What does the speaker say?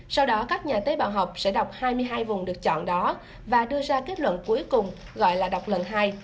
sau đó các nhà tế bào học sẽ đọc hai mươi hai vùng được chọn đó và đưa ra kết luận cuối cùng gọi là đọc lần hai